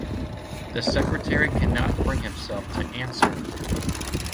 The Secretary cannot bring himself to answer.